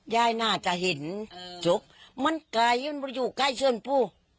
ยายน่าจะเห็นจุกมันใกล้อยู่ใกล้เชื้อนพู่